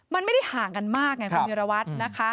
มันไม่ได้ห่างกันมากไงคุณวิรวัตรนะคะ